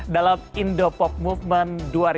dalam indo pop movement dua ribu dua puluh dua